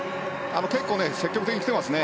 結構積極的にきていますね。